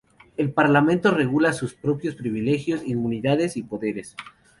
El Parlamento regula sus propios privilegios, inmunidades y poderes.